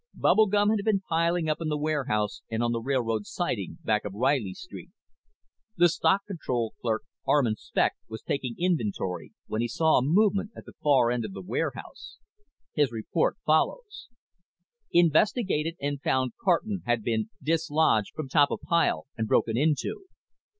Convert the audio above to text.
Bubble gum had been piling up in the warehouse on the railroad siding back of Reilly Street. The stock control clerk, Armand Specht, was taking inventory when he saw a movement at the far end of the warehouse. His report follows: _Investigated and found carton had been dislodged from top of pile and broken into.